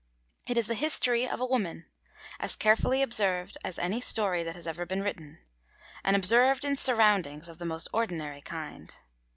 It is the history of a woman, as carefully observed as any story that has ever been written, and observed in surroundings of the most ordinary kind.